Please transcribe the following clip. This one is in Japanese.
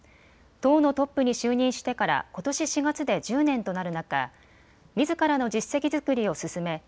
党のトップに就任してからことし４月で１０年となる中、みずからの実績作りを進め